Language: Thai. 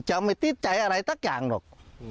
จะไม่ติดใจอะไรสักอย่างหรอก